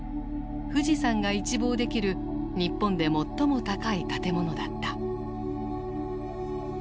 富士山が一望できる日本で最も高い建物だった。